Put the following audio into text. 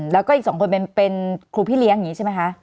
แล้วก็อีก๒คนเป็นครูพี่เลี้ยงใช่ไหมคะ